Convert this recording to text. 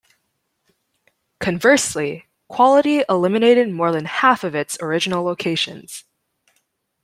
Conversely, Quality eliminated more than half of its original locations.